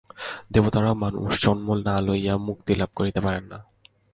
দেবতারাও মনুষ্যজন্ম না লইয়া মুক্তি লাভ করিতে পারেন না।